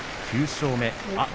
９勝目。